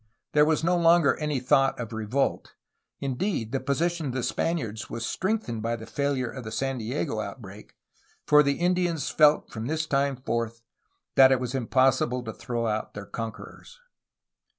There was no longer any thought of revolt; indeed, the position of the Spaniards was strengthened by the failure of the San Diego outbreak, for the Indians felt from this time forth that it was impossible to throw out their conquerors.